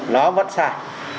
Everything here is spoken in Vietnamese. nó vẫn sai